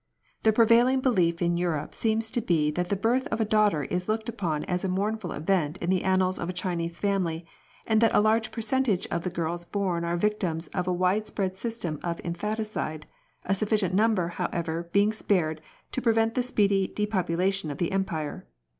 The prevailing belief in Europe seems to be that the birth of a daughter is looked upon as a mournful event in the annals of a Chinese family, and that a large percentage of the girls born are victims of a wide spread system of infanticide, a sufficient number, however, being spared to prevent the speedy depopulation of the Empire.